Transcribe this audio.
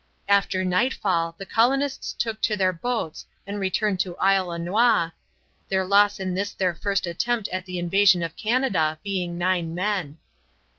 After nightfall the colonists took to their boats and returned to Isle aux Noix, their loss in this their first attempt at the invasion of Canada being nine men.